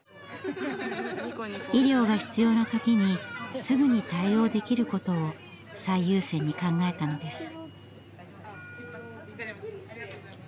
医療が必要な時にすぐに対応できることを最優先に考えたのです。